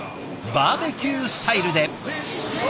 バーベキュースタイルで。